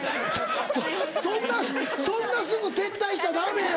そんなそんなすぐ撤退したらダメよ。